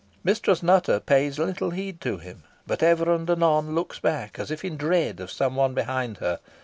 Mistress Nutter pays little heed to him, but ever and anon looks back, as if in dread of some one behind her.